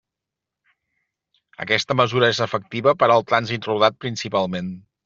Aquesta mesura és efectiva per al trànsit rodat principalment.